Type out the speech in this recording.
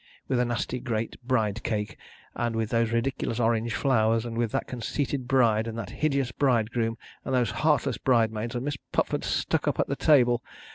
With a nasty great bride cake, and with those ridiculous orange flowers, and with that conceited bride, and that hideous bridegroom, and those heartless bridesmaids, and Miss Pupford stuck up at the table!